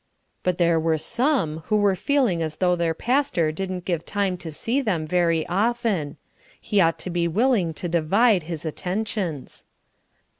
But there were some who were feeling as though their pastor didn't get time to see them very often. He ought to be willing to divide his attentions.